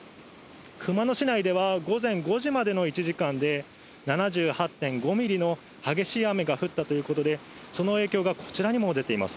熊野市内では、午前５時までの１時間で、７８．５ミリの激しい雨が降ったということで、その影響がこちらにも出ています。